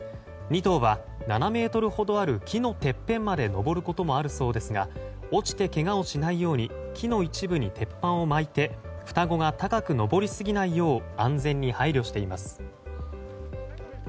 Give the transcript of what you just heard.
２頭は７ｍほどある木のてっぺんまで登ることもあるそうですが落ちてけがをしないように木の一部に鉄板を巻いて双子が高く登りすぎないよう